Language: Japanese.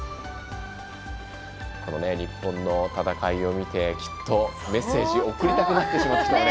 日本の戦いを見てきっとメッセージ送りたくなってしまうでしょうね。